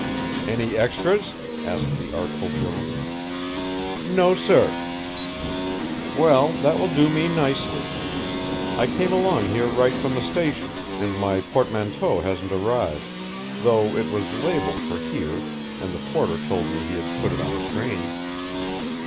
"Any extras?" asked the artful Jones. "No, sir." "Well, that will do me nicely. I came along here right from the station, and my portmanteau hasn't arrived, though it was labelled for here, and the porter told me he had put it on the train.